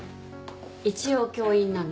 一応教員なんで。